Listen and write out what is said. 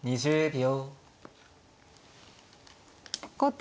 ２０秒。